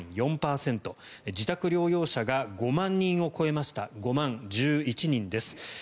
自宅療養者が５万人を超えました５万１１人です。